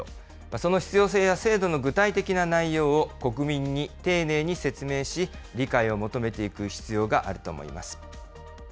その必要性や制度の具体的な内容を国民に丁寧に説明し、理解を求めていく必要があると思います。